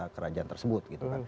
kerajaan tersebut gitu kan